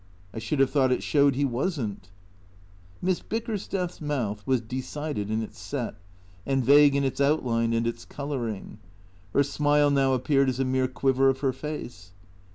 " I should have thought it showed he was n't." Miss Bickersteth's mouth was decided in its set, and vague in its outline and its colouring. Her smile now appeared as a mere quiver of her face.